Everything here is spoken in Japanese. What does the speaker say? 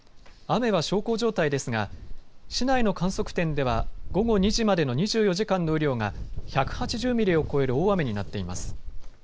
雨は小康状態ですが市内の観測点では午後２時までの２４時間の雨量が１８０ミリを超える大雨になっています。